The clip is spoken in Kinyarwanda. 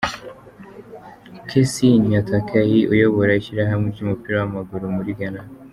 Kesi Nyantakyi uyobora ishyirahamwe ry’umupira w’amaguru muri Ghana